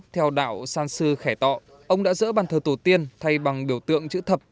theo đạo san sư khẻ tọ ông đã dỡ bàn thờ tổ tiên thay bằng biểu tượng chữ thập